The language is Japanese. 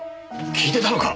聞いてたのか！？